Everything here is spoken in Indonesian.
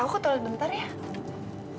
aku ke toilet sebentar ya